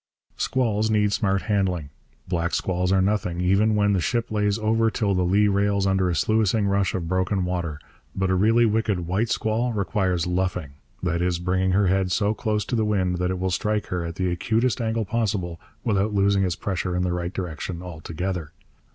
Squalls need smart handling. Black squalls are nothing, even when the ship lays over till the lee rail's under a sluicing rush of broken water. But a really wicked white squall requires luffing, that is, bringing her head so close to the wind that it will strike her at the acutest angle possible without losing its pressure in the right direction altogether.